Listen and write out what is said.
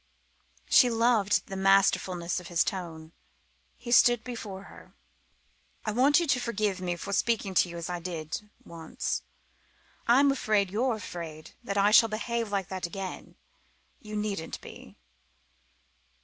She loved the masterfulness of his tone. He stood before her. "I want you to forgive me for speaking to you as I did once. I'm afraid you're afraid that I shall behave like that again. You needn't be."